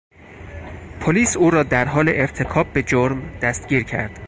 پلیس او را در حال ارتکاب به جرم دستگیر کرد.